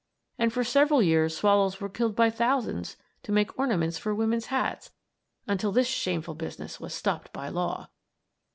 And for several years swallows were killed by thousands to make ornaments for women's hats until this shameful business was stopped by law!